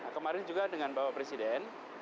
kemarin juga dengan bapak presiden